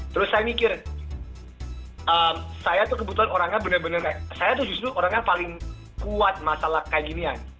terus saya mikir saya tuh kebetulan orangnya benar benar saya tuh justru orangnya paling kuat masalah kayak ginian